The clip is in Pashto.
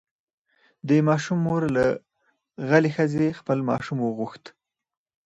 د ماشوم مور له غلې ښځې خپل ماشوم وغوښت.